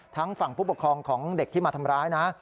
ทั้งฝั่งผู้ปกครองของเด็กที่มาทำร้ายนะ